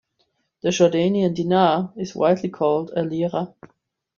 The Jordanian dinar is widely called a "lira".